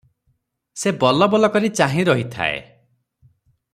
ସେ ବଲବଲ କରି ଚାହିଁ ରହିଥାଏ ।